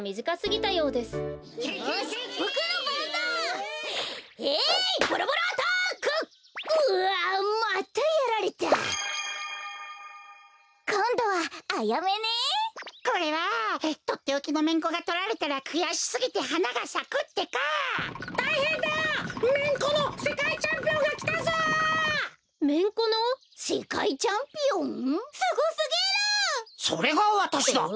それがわたしだ！